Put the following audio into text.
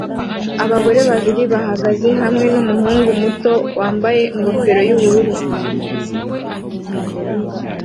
Abagore babiri bahagaze hamwe numuhungu muto wambaye ingofero yubururu